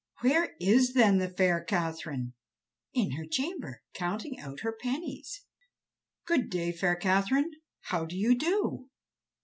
"Where is, then, the fair Catherine?" "In her chamber, counting out her pennies." "Good day, fair Catherine. How do you do?"